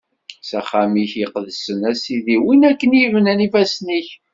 S axxam-ik iqedsen, a Sidi, win akken i bnan ifassen-ik.